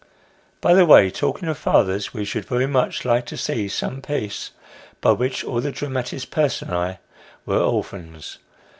By the way, talking of fathers, we should very much like to see some piece in which all the dramatis personre were orphans.